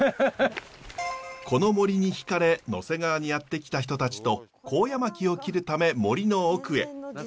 この森に惹かれ野迫川にやって来た人たちと高野槙を切るため森の奥へ。